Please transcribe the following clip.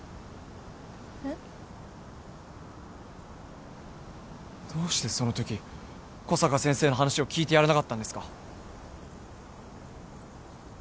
えっ？どうしてそのとき小坂先生の話を聞いてやらなかったんですか。